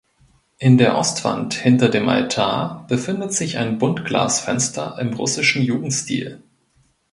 In der Ostwand hinter dem Altar befindet sich ein Buntglasfenster im russischen Jugendstil.